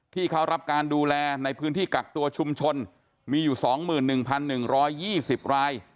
ที่เขารับการดูแลในพื้นที่กักตัวชุมชนมีอยู่๒๑๑๒๐ราย